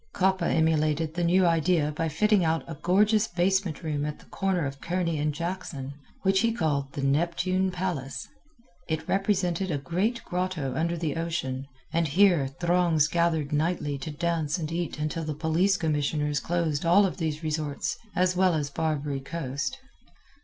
Coppa emulated the new idea by fitting out a gorgeous basement room at the corner of Kearny and Jackson, which he called the Neptune Palace. It represented a great grotto under the ocean, and here throngs gathered nightly to dance and eat until the police commissioners closed all of these resorts, as well as Barbary Coast.